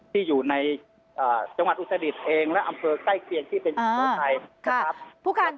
ที่อยู่ในจังหวัดอุตรดิษฐ์เองและอำเภอใกล้เคียงที่เป็นสุโขทัยนะครับ